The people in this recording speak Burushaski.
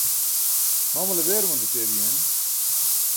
mamale beeruman rupaya biyen?